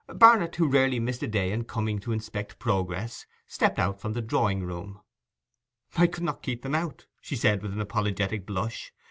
Barnet, who rarely missed a day in coming to inspect progress, stepped out from the drawing room. 'I could not keep them out,' she said, with an apologetic blush.